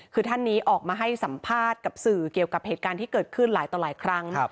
คือท่านนี้ออกมาให้สัมภาษณ์กับสื่อเกี่ยวกับเหตุการณ์ที่เกิดขึ้นหลายต่อหลายครั้ง